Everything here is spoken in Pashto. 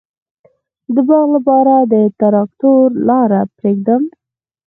د باغ لپاره د تراکتور لاره پریږدم؟